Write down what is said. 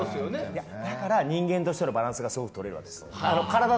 だから人間としてのバランスがすごくとれるんです。